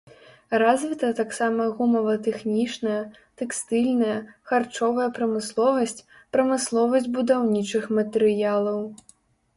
Развіта таксама гумава-тэхнічная, тэкстыльная, харчовая прамысловасць, прамысловасць будаўнічых матэрыялаў.